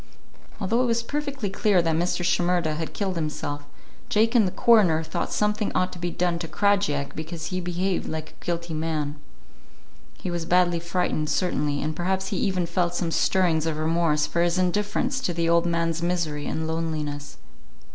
Although it was perfectly clear that Mr. Shimerda had killed himself, Jake and the coroner thought something ought to be done to Krajiek because he behaved like a guilty man. He was badly frightened, certainly, and perhaps he even felt some stirrings of remorse for his indifference to the old man's misery and loneliness.